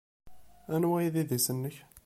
Anwa ay d idis-nnek?